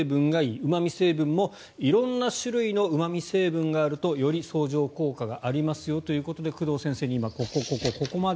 うま味成分も色んな種類のうま味成分があるとより相乗効果がありますよということで工藤先生に今、ここまで